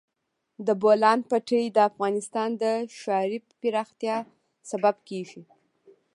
د بولان پټي د افغانستان د ښاري پراختیا سبب کېږي.